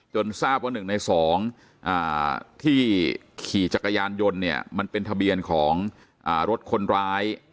ทราบว่า๑ใน๒ที่ขี่จักรยานยนต์เนี่ยมันเป็นทะเบียนของรถคนร้าย